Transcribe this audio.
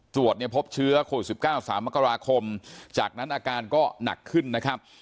ตรวจเนี่ยพบเชื้อโควิด๑๙๓มกราคมจากนั้นอาการก็หนักขึ้นนะครับ